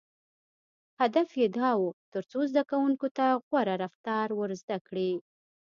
• هدف یې دا و، تر څو زدهکوونکو ته غوره رفتار ور زده کړي.